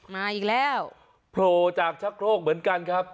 มาอีกแล้วโผล่จากชะโครกเหมือนกันครับ